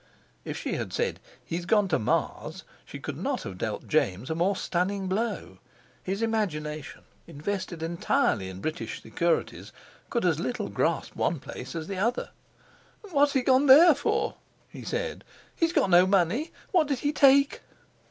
If she had said "He's gone to Mars" she could not have dealt James a more stunning blow; his imagination, invested entirely in British securities, could as little grasp one place as the other. "What's he gone there for?" he said. "He's got no money. What did he take?"